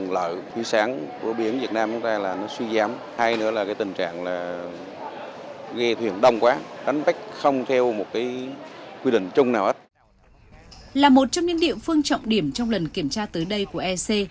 là một trong những địa phương trọng điểm trong lần kiểm tra tới đây của ec